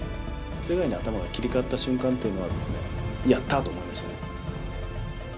そういうふうに頭が切り替わった瞬間というのはですねやった！と思いましたね。